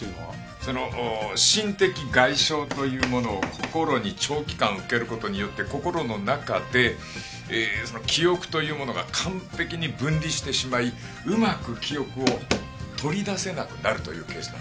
その心的外傷というものを心に長期間受ける事によって心の中で記憶というものが完璧に分離してしまいうまく記憶を取り出せなくなるというケースなんだ。